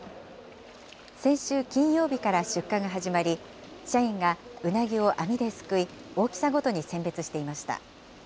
先週金曜日から出荷が始まり、社員がうなぎを網ですくい、大きさごとに選別していました。